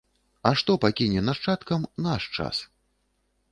А што пакіне нашчадкам наш час?